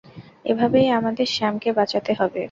এভাবেই আমাদের স্যামকে বাঁচাতে হবে।